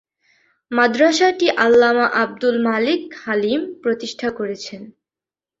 মাদ্রাসাটি আল্লামা আবদুল মালেক হালিম প্রতিষ্ঠা করেছেন।